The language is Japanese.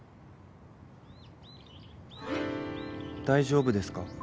大丈夫ですか？